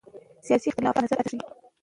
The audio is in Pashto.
سیاسي اختلاف د نظر ازادي ښيي